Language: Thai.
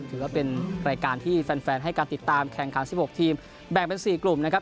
ถือว่าเป็นรายการที่แฟนให้การติดตามแข่งขัน๑๖ทีมแบ่งเป็น๔กลุ่มนะครับ